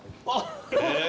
あっ。